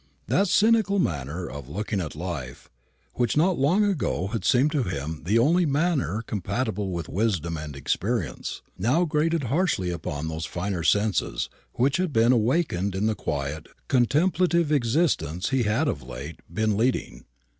That cynical manner of looking at life, which not long ago had seemed to him the only manner compatible with wisdom and experience, now grated harshly upon those finer senses which had been awakened in the quiet contemplative existence he had of late been leading.